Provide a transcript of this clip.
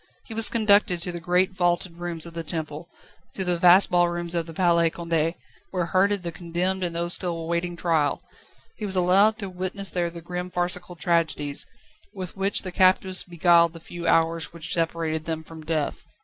He was conducted to the great vaulted rooms of the Temple, to the vast ballrooms of the Palais Condé, where herded the condemned and those still awaiting trial; he was allowed to witness there the grim farcical tragedies, with which the captives beguiled the few hours which separated them from death.